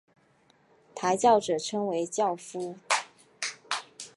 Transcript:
抬轿者称为轿夫。